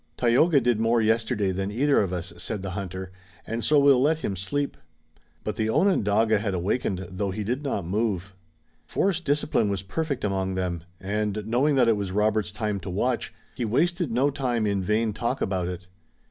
"Tayoga did more yesterday than either of us," said the hunter, "and so we'll let him sleep." But the Onondago had awakened, though he did not move. Forest discipline was perfect among them, and, knowing that it was Robert's time to watch, he wasted no time in vain talk about it.